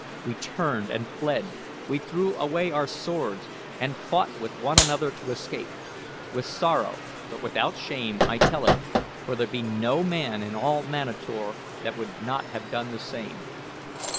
We turned and fled. We threw away our swords and fought with one another to escape. With sorrow, but without shame, I tell it, for there be no man in all Manator that would not have done the same.